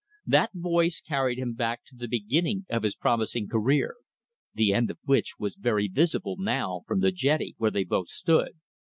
That voice carried him back to the beginning of his promising career, the end of which was very visible now from the jetty where they both stood.